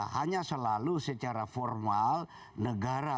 hanya selalu secara formal negara